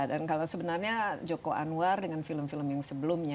dan kalau sebenarnya joko anwar dengan film film yang sebelumnya